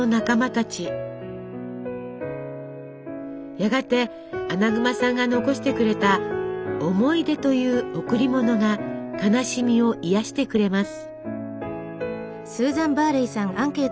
やがてアナグマさんが残してくれた思い出という「贈り物」が悲しみを癒やしてくれます。